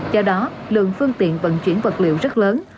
do đó lượng phương tiện vận chuyển vật liệu rất lớn